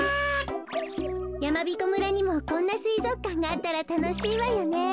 やまびこ村にもこんなすいぞくかんがあったらたのしいわよね。